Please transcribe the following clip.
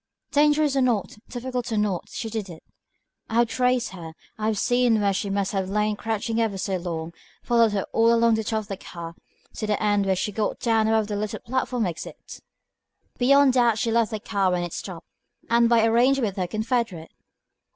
"Dangerous or not, difficult or not, she did it. I have traced her; have seen where she must have lain crouching ever so long, followed her all along the top of the car, to the end where she got down above the little platform exit. Beyond doubt she left the car when it stopped, and by arrangement with her confederate."